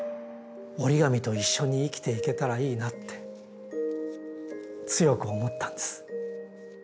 折り紙と一緒に生きていけたらいいなって強く思ったんです。